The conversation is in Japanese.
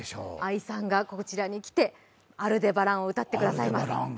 ＡＩさんがこちらに来て、「アルデバラン」を歌ってくれます。